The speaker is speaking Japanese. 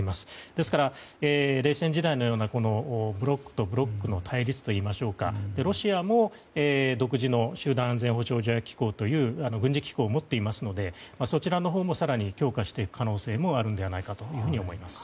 ですから冷戦時代のようなブロックとブロックの対立といいましょうかロシアも独自の集団安全保障機構という軍事機構を持っていますのでそちらのほうで更に強化していく可能性もあるのではないかと思います。